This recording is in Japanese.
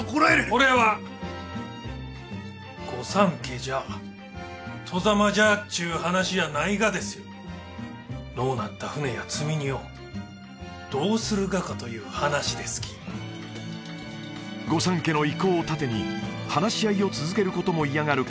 これは御三家じゃ外様じゃあっちゅう話じゃないがですよのうなった船や積み荷をどうするがかという話ですき御三家の威光を盾に話し合いを続けることも嫌がる